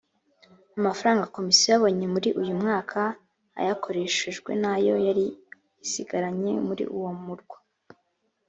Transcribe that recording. amafaranga komisiyo yabonye muri uyumwaka ayakoreshejwe nayo yari isigaranye muri uwo murwa